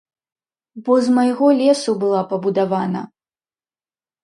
Бо з майго лесу была пабудавана.